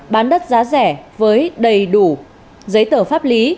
bán đất giá rẻ với đầy đủ giấy tờ pháp lý